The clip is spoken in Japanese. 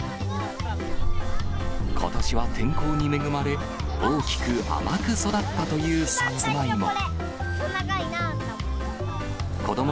ことしは天候に恵まれ、大きく甘く育ったというさつまいも。